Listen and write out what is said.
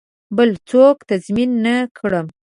بل څوک تضمین نه کړم.